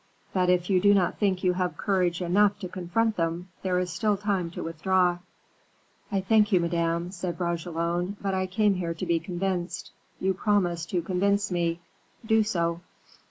But if you do not think you have courage enough to confront them, there is still time to withdraw." "I thank you, Madame," said Bragelonne; "but I came here to be convinced. You promised to convince me, do so."